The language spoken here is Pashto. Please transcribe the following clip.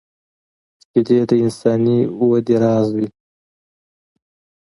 شیدې د انساني وده راز دي